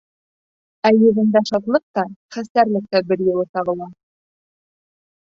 Ә йөҙөндә шатлыҡ та, хәстәрлек тә бер юлы сағыла.